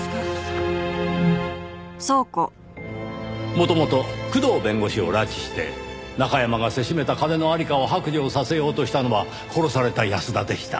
元々工藤弁護士を拉致して中山がせしめた金の在りかを白状させようとしたのは殺された安田でした。